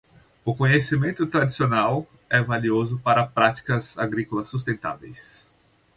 O conhecimento tradicional é valioso para práticas agrícolas sustentáveis.